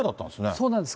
そうなんです。